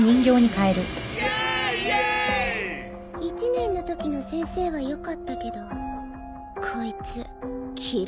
１年のときの先生はよかったけどこいつ嫌い。